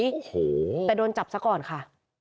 โอ้โหแต่โดนจับซะก่อนค่ะ